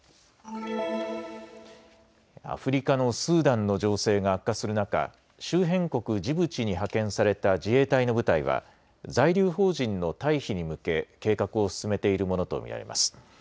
アフリカのスーダンの情勢が悪化する中、周辺国ジブチに派遣された自衛隊の部隊は在留邦人の退避に向け計画を進めているものと見られます。